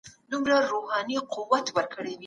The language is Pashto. په موسک حالت کي مخامخ سره کښينئ.